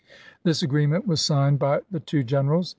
This agreement was signed by the two generals.